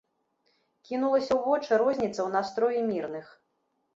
Кінулася ў вочы розніца ў настроі мірных.